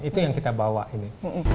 itu yang kita bawa ini